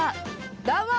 どうも！